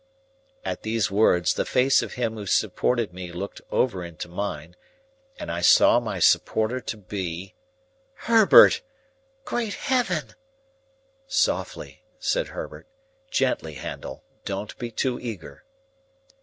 At these words, the face of him who supported me looked over into mine, and I saw my supporter to be— "Herbert! Great Heaven!" "Softly," said Herbert. "Gently, Handel. Don't be too eager."